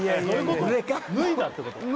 脱いだってこと？